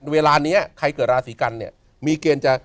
เวลานี้ใครเกิดราศีกันเนี่ยมีเกณฑ์จะ